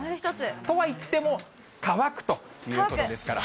とはいっても乾くということですから。